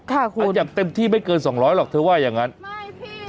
เอาอย่างเต็มที่ไม่เกินสองร้อยหรอกเธอว่าอย่างงั้นไม่พี่